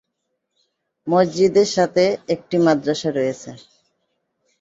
মসজিদের সাথে একটি মাদ্রাসা রয়েছে।